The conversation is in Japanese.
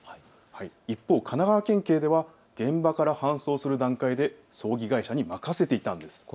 一方、神奈川県警では現場から搬送する段階で葬儀会社に任せていたんです。